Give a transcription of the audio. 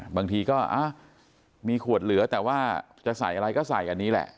บางทีก็มีขวดเหลือแต่ว่าจะใส่อะไรก็ใส่อันนี้แหละ